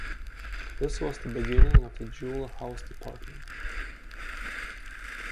This was the beginning of the Jewel House Department.